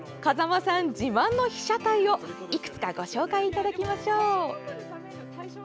では風間さん自慢の被写体をいくつかご紹介いただきましょう。